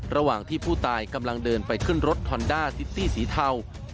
ระหว่างที่ผู้ตายกำลังเดินไปขึ้นรถฮอนด้าซิตี้สีเทา